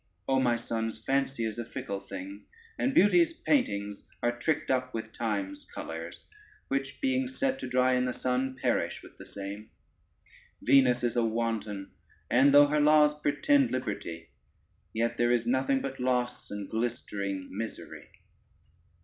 O my sons, fancy is a fickle thing, and beauty's paintings are tricked up with time's colors, which, being set to dry in the sun, perish with the same. Venus is a wanton, and though her laws pretend liberty, yet there is nothing but loss and glistering misery.